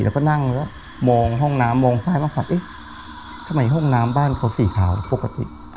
แล้วก็นั่งแล้วมองห้องน้ำมองซ้ายมากกว่าเอ๊ะทำไมห้องน้ำบ้านเขาสีขาวปกติ